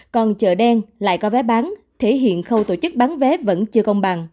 còn chợ đen lại có vé bán thể hiện khâu tổ chức bán vé vẫn chưa công bằng